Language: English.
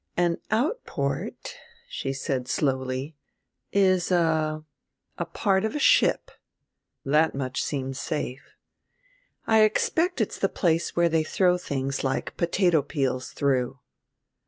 "An outport," she said slowly, "is a a part of a ship," that much seemed safe "I expect it's the place where they throw things like potato peels through."